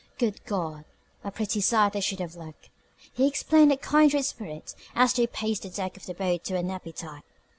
"Good God, a pretty sight I should have looked...." he explained to a kindred spirit as they paced the deck of the boat to get an appetite.